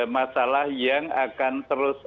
masalah yang akan terus